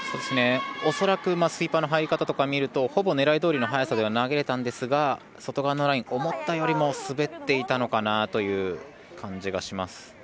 恐らくスイーパーの入り方とか見るとほぼ、狙いどおりの速さでは投げれたんですが外側のライン、思ったよりも滑っていたのかなという感じがします。